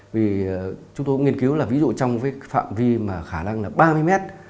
vì chúng tôi cũng nghiên cứu là ví dụ trong cái phạm vi mà khả năng là ba mươi mét